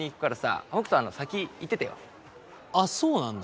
あっそうなんだ。